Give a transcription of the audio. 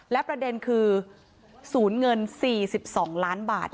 และประเด็นคือศูนย์เงิน๔๒ล้านบาท